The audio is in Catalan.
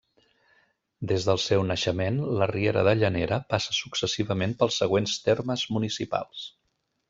Des del seu naixement, la Riera de Llanera passa successivament pels següents termes municipals.